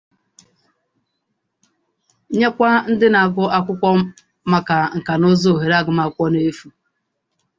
nyekwa ndị na-agụ akwụkwọ maka nkanụzụ ohere agụmakwụkwọ n'efu